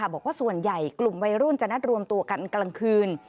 บอกว่าส่วนใหญ่กลุ่มวัยรุ่นจะนัดรวมตัวกันกลางคืน